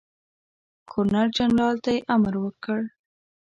ګورنرجنرال ته یې امر وکړ.